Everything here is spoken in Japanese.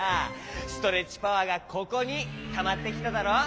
ストレッチパワーがここにたまってきただろ！